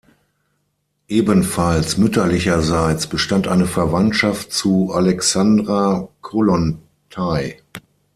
Ebenfalls mütterlicherseits bestand eine Verwandtschaft zu Alexandra Kollontai.